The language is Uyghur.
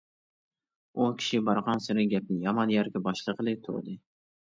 ئۇ كىشى بارغانسېرى گەپنى يامان يەرگە باشلىغىلى تۇردى.